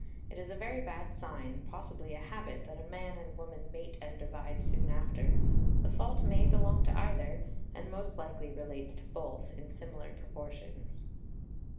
It is a very bad sign, possibly a habit, that a man and woman mate and divide soon after; the fault may belong to either, and most likely relates to both, in similar proportions.